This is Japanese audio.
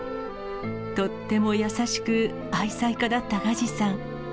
とっても優しく、愛妻家だったガジさん。